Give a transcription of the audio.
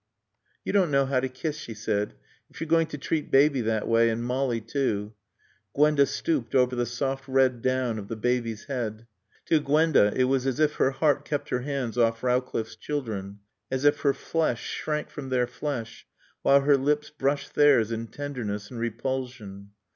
"You don't know how to kiss," she said. "If you're going to treat Baby that way, and Molly too " Gwenda stooped over the soft red down of the baby's head. To Gwenda it was as if her heart kept her hands off Rowcliffe's children, as if her flesh shrank from their flesh while her lips brushed theirs in tenderness and repulsion.